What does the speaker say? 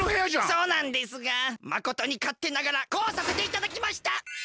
そうなんですがまことにかってながらこうさせていただきました！